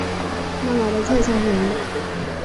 妈妈的菜超咸的